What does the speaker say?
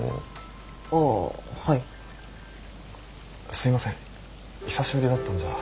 すいません久しぶりだったんじゃ。